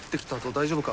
大丈夫か？